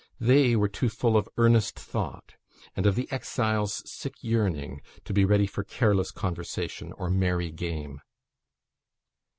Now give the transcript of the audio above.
They were too full of earnest thought, and of the exile's sick yearning, to be ready for careless conversation or merry game.